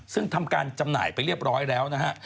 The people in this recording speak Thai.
ซึ่งทำการจำหน่ายไปเรียบร้อยแล้วนะฮะ